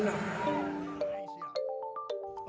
negara ini bisa punah